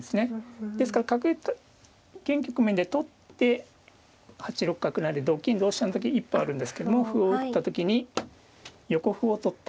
ですから角現局面で取って８六角成同金同飛車の時に一歩あるんですけども歩を打った時に横歩を取って。